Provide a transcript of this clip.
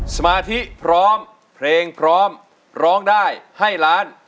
สมาธิพร้อมเพลงพร้อมร้องได้ให้ล้าน